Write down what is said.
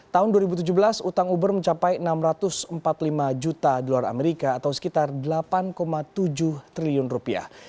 tahun dua ribu tujuh belas utang uber mencapai enam ratus empat puluh lima juta dolar amerika atau sekitar delapan tujuh triliun rupiah